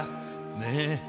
ねえ。